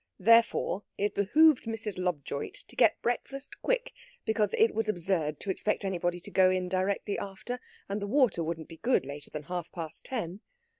Therefore, it behooved Mrs. Lobjoit to get breakfast quick, because it was absurd to expect anybody to go in directly after, and the water wouldn't be good later than half past ten.